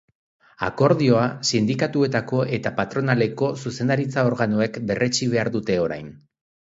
Akordioa sindikatuetako eta patronaleko zuzendaritza organoek berretsi behar dute orain.